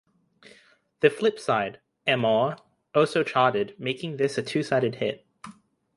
The flip side, "Amor," also charted, making this a two-sided hit.